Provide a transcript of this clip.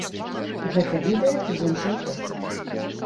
Гэта відэа з іншай эпохі.